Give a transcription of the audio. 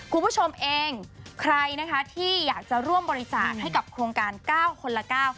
คุณผู้ชมเองใครนะคะที่อยากจะร่วมบริจาคให้กับโครงการ๙คนละเก้า